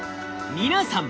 皆さん！